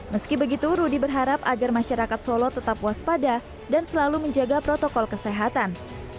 meski begitu rudy berharap agar masyarakat solo tetap waspada dan selalu menjaga protokol kesehatan